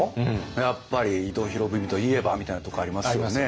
やっぱり「伊藤博文といえば」みたいなところありますよね。